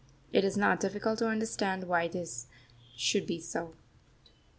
It is not difficult to understand why this should be so.